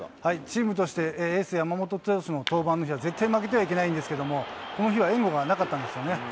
チームとしてエース、山本投手の登板の日は絶対負けてはいけないんですけれども、この日は援護がなかったんですよね。